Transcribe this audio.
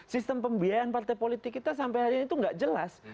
sistem pembiayaan partai politik kita sampai hari ini itu nggak jelas